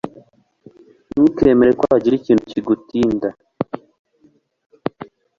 Ntukemere ko hagira ikintu kigutinda